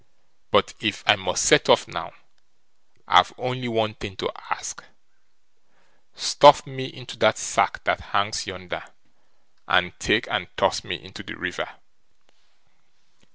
But if I must set off now, I've only one thing to ask; stuff me into that sack that hangs yonder, and take and toss me into the river."